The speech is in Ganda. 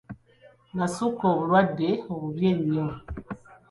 Nassuuka obulwadde obubi ennyo .